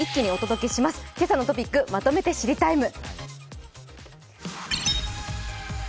「けさのトピックまとめて知りＴＩＭＥ，」。